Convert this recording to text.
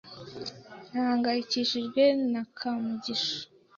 Nahangayikishijwe na Kamugisha.